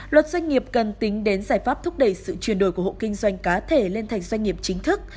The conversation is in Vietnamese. luật doanh nghiệp cần tính đến giải pháp thúc đẩy sự chuyển đổi của hộ kinh doanh cá thể lên thành doanh nghiệp chính thức